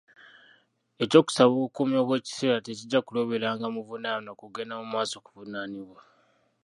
Eky'okusaba obukuumi obw'ekiseera tekijja kuloberanga muvunaanwa kugenda mu maaso kuvunaanibwa.